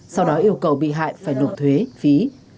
sau đó yêu cầu bị hại phải nộp thuế phí